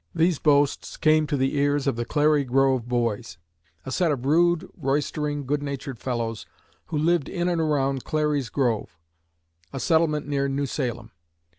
These boasts came to the ears of the 'Clary Grove Boys,' a set of rude, roystering, good natured fellows, who lived in and around Clary's Grove, a settlement near New Salem.